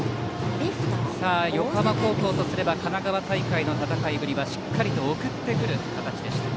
横浜高校とすれば神奈川大会の戦いぶりはしっかり送ってくる形でした。